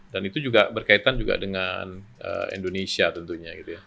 dan itu juga berkaitan juga dengan indonesia tentunya gitu ya